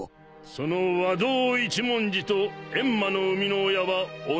その和道一文字と閻魔の生みの親は同じ人物。